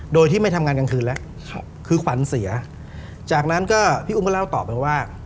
โดยที่ไม่ทำงานกลางคืนแล้วคือขวัญเสียจากนั้นก็พี่อุ้มก็เล่าต่อไปว่า